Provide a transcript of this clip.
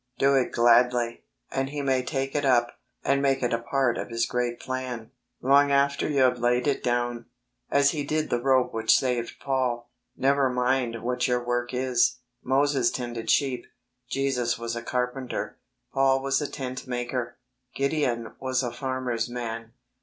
Do it gladly, and He may take it up, and make it a part of His great plan, long after you have laid it 82 THE WAY OF HOLINESS down, as he did the rope which saved Paul. Never mind what your work is. Moses tended sheep. Jesus was a carpenter. Paul was a tent maker. Gideon was a farmer's man.